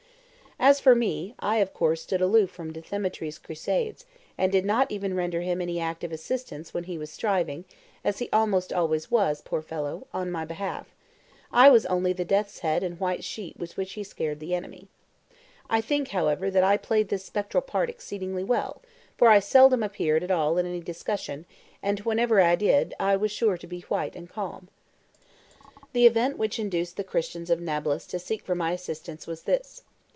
As for me, I of course stood aloof from Dthemetri's crusades, and did not even render him any active assistance when he was striving (as he almost always was, poor fellow) on my behalf; I was only the death's head and white sheet with which he scared the enemy. I think, however, that I played this spectral part exceedingly well, for I seldom appeared at all in any discussion, and whenever I did, I was sure to be white and calm. The event which induced the Christians of Nablus to seek for my assistance was this.